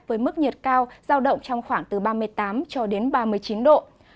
với mức nhiệt cao giao động trong khoảng từ ba mươi tám cho đến ba mươi chín độ